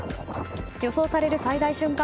予想される最大瞬間